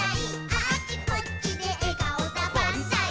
「あっちこっちでえがおだバンザイ」